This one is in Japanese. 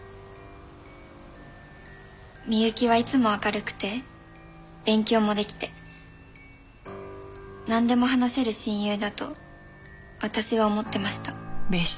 美雪はいつも明るくて勉強も出来てなんでも話せる親友だと私は思ってました。